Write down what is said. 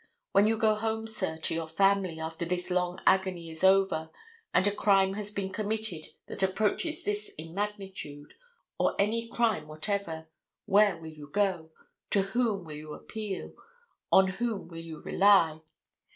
When you go home, sir, to your family, after this long agony is over, and a crime has been committed that approaches this in magnitude, or any crime whatever, where will you go? to whom will you appeal? on whom will you rely?